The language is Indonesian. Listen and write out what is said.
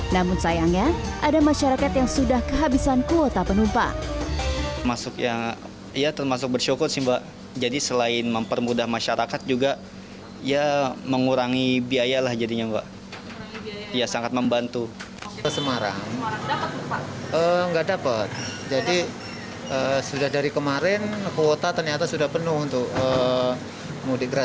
namun sayangnya ada masyarakat yang sudah kehabisan kuota penumpang